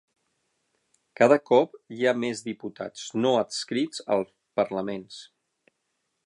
Cada cop hi ha més diputats no adscrits als parlaments